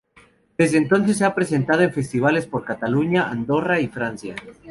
Desde entonces se ha presentado en festivales por Cataluña, Andorra y Francia.